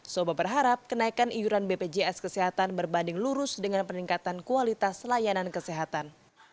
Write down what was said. soba berharap kenaikan iuran bpjs kesehatan berbanding lurus dengan peningkatan kualitas layanan kesehatan